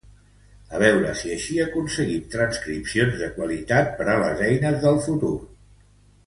A veure si així aconseguim transcripcions de qualitat per a les eines del futur